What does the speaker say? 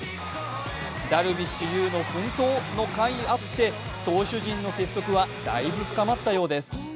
ダルビッシュ有の奮闘のかいあって投手陣の結束はだいぶ深まったようです。